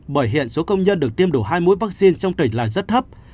bởi hiện số công nhân được tiêm đủ hai mũi vaccine trong tỉnh là rất thấp